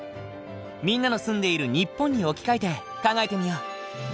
みんなの住んでいる日本に置き換えて考えてみよう。